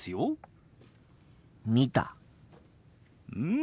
うん！